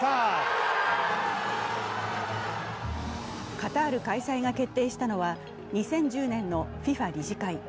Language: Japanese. カタール開催が決定したのは２０１０年のＦＩＦＡ理事会。